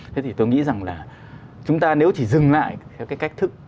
thế thì tôi nghĩ rằng là chúng ta nếu chỉ dừng lại các cái cách thức